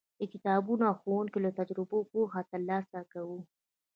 د کتابونو او ښوونکو له تجربو پوهه ترلاسه کوو.